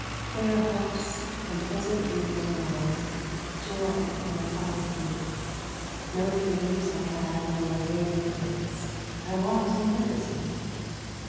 Fair hopes and pleasant dreams were mine Joy and the pride of youth, No fears I had nor vain regrets I walked in liberty.